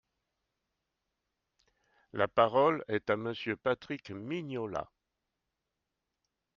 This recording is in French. La parole est à Monsieur Patrick Mignola.